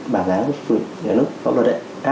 bảng giá của nhà nước pháp luật